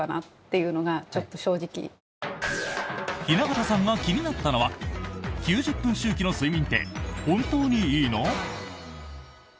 雛形さんが気になったのは９０分周期の睡眠って本当にいいの？